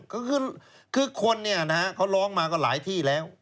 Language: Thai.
ก็คือคนเนี่ยนะฮะเขาร้องมาก็หลายที่แล้ว